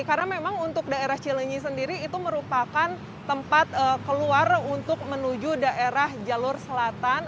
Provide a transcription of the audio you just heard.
karena memang untuk daerah cilenyi sendiri itu merupakan tempat keluar untuk menuju daerah jalur selatan